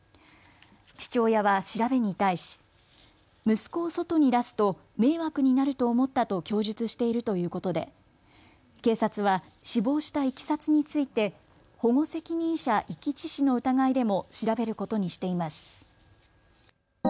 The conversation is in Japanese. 父親は調べに対し息子を外に出すと迷惑になると思ったと供述しているということで警察は死亡したいきさつについて保護責任者遺棄致死の疑いでも調べることにしています。